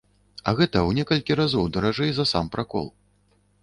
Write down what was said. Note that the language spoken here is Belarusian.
А гэта у некалькі разоў даражэй за сам пракол.